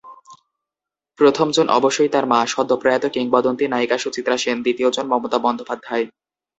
প্রথমজন অবশ্যই তাঁর মা, সদ্যপ্রয়াত কিংবদন্তি নায়িকা সুচিত্রা সেন, দ্বিতীয়জন মমতা বন্দ্যোপাধ্যায়।